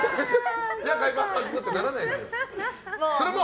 じゃあ海パンはくってならないですよ。